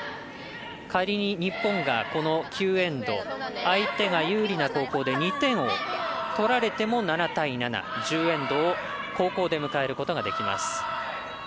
仮に日本が、この９エンド相手が有利な後攻で２点を取られても７対７１０エンドを後攻で迎えることができます。